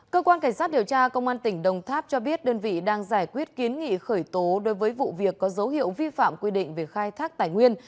cơ quan cảnh sát điều tra công an tỉnh đồng tháp cho biết đơn vị đang giải quyết kiến nghị khởi tố đối với vụ việc có dấu hiệu vi phạm quy định về khai thác tài nguyên